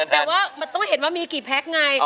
แต่ว่ามันต้องเห็นว่ามีกี่แพ็คไง